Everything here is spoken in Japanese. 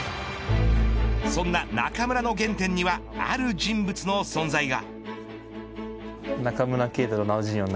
そんな中村の原点にはある人物の存在が。